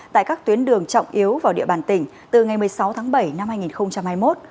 tại các tuyến đường trọng yếu vào địa bàn tỉnh từ ngày một mươi sáu tháng bảy năm hai nghìn hai mươi một